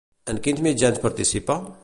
En quins mitjans participa?